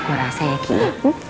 kau rasa ya keek